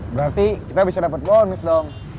berarti kita bisa dapat bonus dong